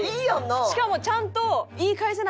しかもちゃんと。